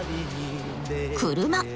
車。